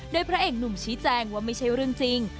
โดยพระเอกหนุ่มชี้แจงว่าไม่ใช่เรื่องจริง